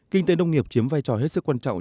kinh tế nông nghiệp chiếm vai trò hết sức quan trọng